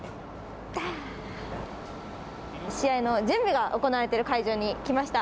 試合の準備が行われている会場に来ました。